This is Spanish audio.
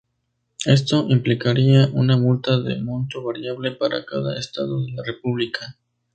Esto implicaría una multa de monto variable para cada estado de la república.